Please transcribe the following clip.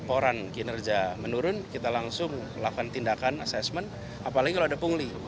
koran kinerja menurun kita langsung melakukan tindakan assessment apalagi kalau ada pungli